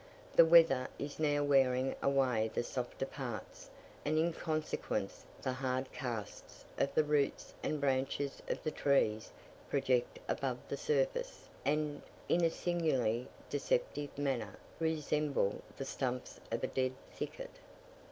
The weather is now wearing away the softer parts, and in consequence the hard casts of the roots and branches of the trees project above the surface, and, in a singularly deceptive manner, resemble the stumps of a dead thicket.